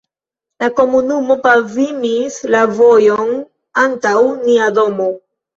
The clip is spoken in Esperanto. la komunumo pavimis la vojon antaŭ nia domo.